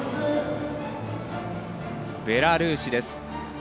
ベラルーシです。